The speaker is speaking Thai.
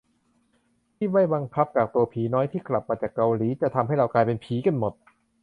ที่ไม่บังคับกักตัวผีน้อยที่กลับมาจากเกาหลี จะทำให้เรากลายเป็นผีกันหมด